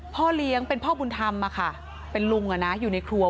พ่อเลี้ยงเป็นพ่อบุญธรรมอะค่ะเป็นลุงอยู่ในครัว